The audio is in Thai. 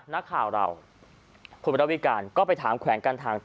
นักข่าวเราผู้บริษัทวิการก็ไปถามแขวงการทางต่อ